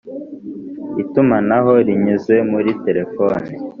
itumanaho rinyuze muri terefoni,